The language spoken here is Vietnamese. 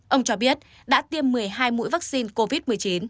ông cho biết đã tiêm một mươi hai mũi vaccine covid một mươi chín